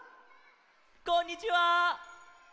こんにちは！